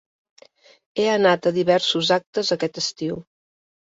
He anat a diversos actes aquest estiu.